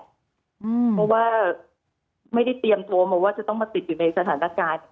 เพราะว่าไม่ได้เตรียมตัวมาว่าจะต้องมาติดอยู่ในสถานการณ์